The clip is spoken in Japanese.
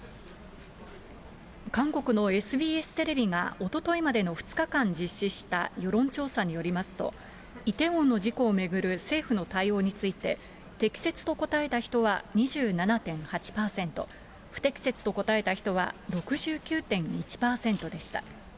韓国のＳＢＳテレビが、おとといまでの２日間実施した世論調査によりますと、イテウォンの事故を巡る政府の対応について、適切と答えた人は２７．８％、不適切と答えた人は６９．１％でした。